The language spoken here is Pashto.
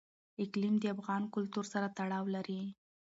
اقلیم د افغان کلتور سره تړاو لري.